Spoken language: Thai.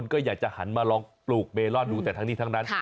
ก็อยากจะหันมาลองปลูกเมลอนดูแต่ทั้งนี้ทั้งนั้น